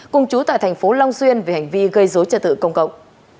cùng chú tại tp long xuyên về hành vi gây dối trật tự công cộng